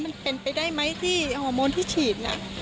มันเป็นไปได้ไหมที่ฮอร์โมนที่ฉีดน่ะ